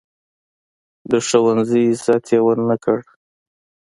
د ښوونځي عزت یې ونه کړ.